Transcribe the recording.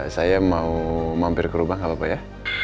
saya mau mampir ke rumah gak apa apa ya